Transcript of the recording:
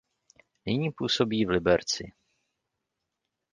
Nyní působí v Liberci.